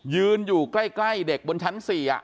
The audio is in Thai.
ยืนอยู่ใกล้เด็กบนชั้น๔